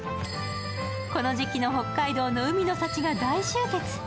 この時期の北海道の海の幸が大集結。